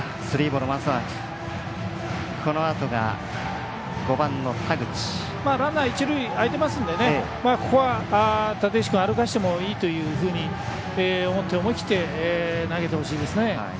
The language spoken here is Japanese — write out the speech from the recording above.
ランナー一塁空いてますのでここは立石君、歩かせてもいいと思って、思い切って投げてほしいですね。